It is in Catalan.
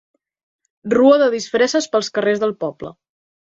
Rua de disfresses pels carrers del poble.